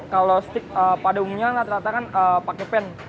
kalau stick padungnya rata rata pakai pan